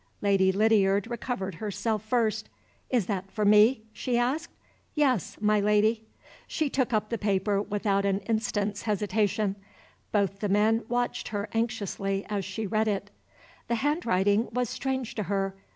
Lady Lydiard recovered herself first. "Is that for me?" she asked. "Yes, my Lady." She took up the paper without an instant's hesitation. Both the men watched her anxiously as she read it. The handwriting was strange to her.